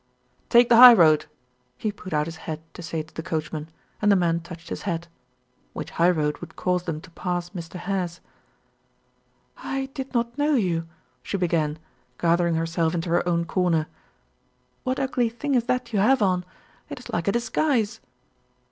"Take the high road," he put out his head to say to the coachman; and the man touched his hat which high road would cause them to pass Mr. Hare's. "I did not know you," she began, gathering herself into her own corner. "What ugly thing is that you have on? It is like a disguise."